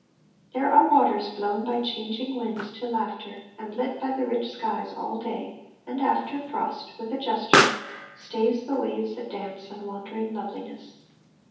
There are waters blown by changing winds to laughter And lit by the rich skies, all day. And after, Frost, with a gesture, stays the waves that dance And wandering loveliness.